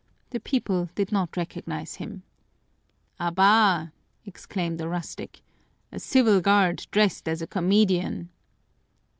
The people did not recognize him. "Abá!" exclaimed a rustic. "A civil guard dressed as a comedian!"